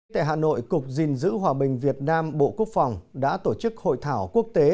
tại hà nội cục gìn giữ hòa bình việt nam bộ quốc phòng đã tổ chức hội thảo quốc tế